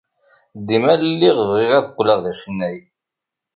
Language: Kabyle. Dima lliɣ bɣiɣ ad qqleɣ d acennay.